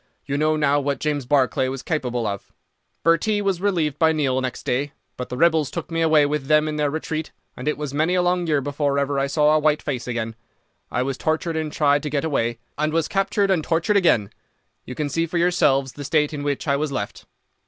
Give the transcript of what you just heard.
You know now what James Barclay was capable of. Bhurtee was relieved by Neill next day, but the rebels took me away with them in their retreat, and it was many a long year before ever I saw a white face again. I was tortured and tried to get away, and was captured and tortured again. You can see for yourselves the state in which I was left.